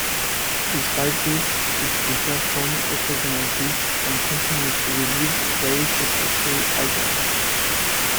Despite this, he still performed occasional gigs and continues to release very successful albums.